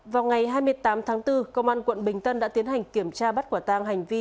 vào ngày hai mươi tám tháng bốn công an quận bình tân đã tiến hành kiểm tra bắt quả tang hành vi